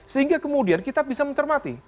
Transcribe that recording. sehingga kemudian kita bisa mencermati